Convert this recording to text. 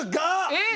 えっ？